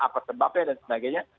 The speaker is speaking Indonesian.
apa sebabnya dan sebagainya